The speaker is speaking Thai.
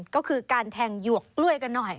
ก็คือการแทงหยวกกล้วยกันหน่อย